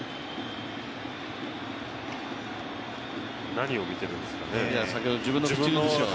何を見ているんですかね？